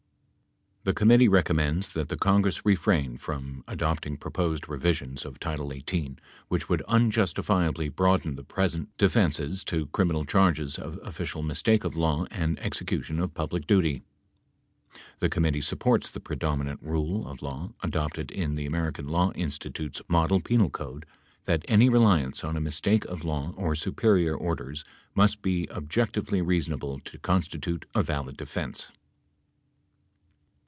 The committee recommends that the Congress refrain from adopting proposed revisions of title 18 which would unjustifiably broaden the present defenses to criminal charges of official mis take of law and execution of public duty. The committee supports the predominant rule of law adopted in the American Law In stitute's model penal code that any reliance on a mistake of law or superior orders must be objectively reasonable to constitute a valid defense.